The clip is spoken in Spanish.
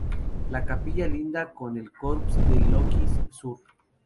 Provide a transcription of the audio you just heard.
La capilla linda con el corps de logis sur.